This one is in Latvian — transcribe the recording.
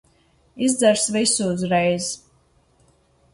Izdzers visu uzreiz.